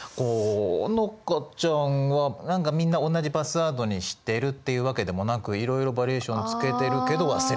好花ちゃんは何かみんな同じパスワードにしてるっていうわけでもなくいろいろバリエーションつけてるけど忘れない？